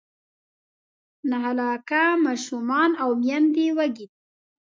نهه لاکه ماشومان او میندې وږې دي.